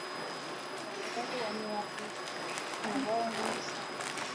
kwa sababu amewafungia chelsea mabao mengi sana